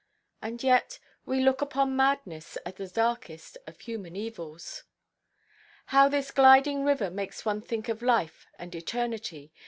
And yet we look upon madness as the darkest of human evils! "How this gliding river makes one think of life and eternity!